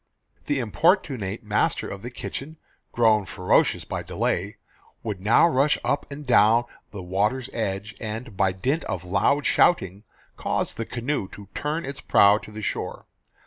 The importunate master of the kitchen, grown ferocious by delay, would now rush up and down the water's edge, and, by dint of loud shouting, cause the canoe to turn its prow to the shore.